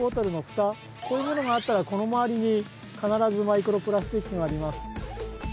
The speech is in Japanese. こういうものがあったらこのまわりにかならずマイクロプラスチックがあります。